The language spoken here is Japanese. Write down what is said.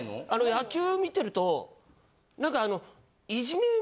野球見てると何かあの。